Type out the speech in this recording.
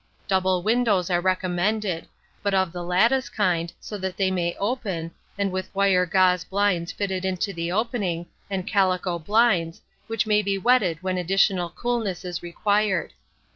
Double windows are recommended, but of the lattice kind, so that they may open, and with wire gauze blinds fitted into the opening, and calico blinds, which may be wetted when additional coolness is required.